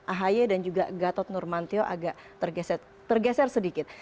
ahy dan juga gatot nurmantio agak tergeser sedikit